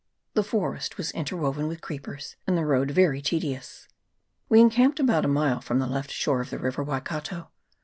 The forest was interwoven with creepers, and the road very tedious. We encamped about a mile from the left shore of the river Waikato.